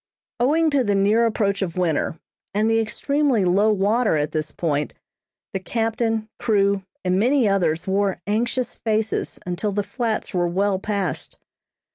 Owing to the near approach of winter, and the extremely low water at this point, the captain, crew, and many others, wore anxious faces until the Flats were well passed.